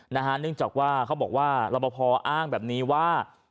เนื่องจากว่าเขาบอกว่ารับประพออ้างแบบนี้ว่า